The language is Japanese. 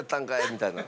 みたいな。